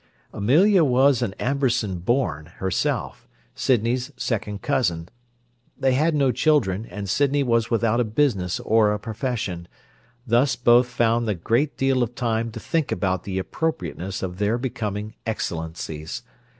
Amelia was an Amberson born, herself, Sydney's second cousin: they had no children, and Sydney was without a business or a profession; thus both found a great deal of time to think about the appropriateness of their becoming Excellencies.